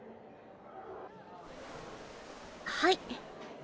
はい。